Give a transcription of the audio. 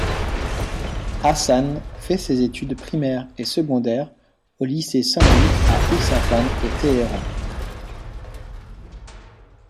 Hassan fait ses études primaires et secondaires au lycée Saint-Louis à Isfahan et Téhéran.